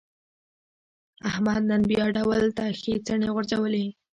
احمد نن بیا ډول ته ښې څڼې غورځولې.